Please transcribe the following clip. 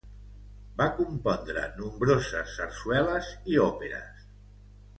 Va compondre nombroses sarsueles i òperes.